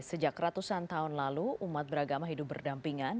sejak ratusan tahun lalu umat beragama hidup berdampingan